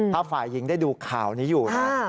ถ้าฝ่ายหญิงได้ดูข่าวนี้อยู่นะ